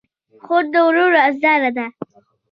خور د ورور رازدار ده.